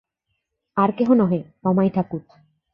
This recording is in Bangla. আর কেহ নহে, রমাই ঠাকুর।